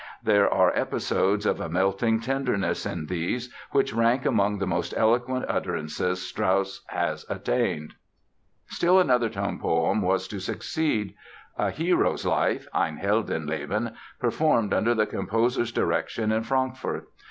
There are episodes of a melting tenderness in these which rank among the most eloquent utterances Strauss has attained. Still another tone poem was to succeed—A Hero's Life (Ein Heldenleben) performed under the composer's direction in Frankfurt.